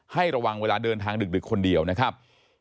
ให้ระวังเวลาเดินทางดึกคนเดียวนะครับ